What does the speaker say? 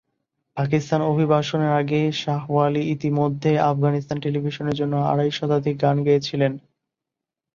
পাকিস্তান অভিবাসনের আগে শাহ ওয়ালি ইতিমধ্যে আফগানিস্তান টেলিভিশনের জন্য আড়াই শতাধিক গান গেয়েছিলেন।